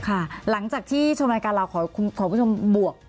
ค่ะหลังจากที่ชมรายการเราขอประโยชน์บวก